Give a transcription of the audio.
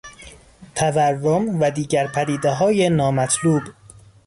تورم و دیگر پدیدههای نامطلوب